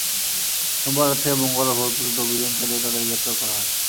সোমবার রাত থেকে মঙ্গলবার ভোর পর্যন্ত অভিযান চালিয়ে তাঁদের গ্রেপ্তার করা হয়।